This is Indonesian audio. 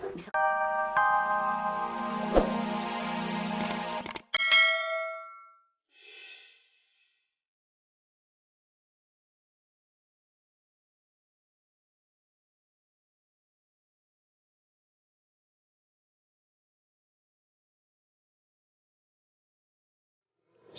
bisa diem gak